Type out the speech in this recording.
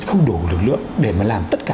không đủ lực lượng để mà làm tất cả